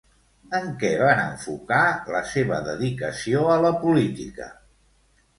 En què van enfocar la seva dedicació a la política?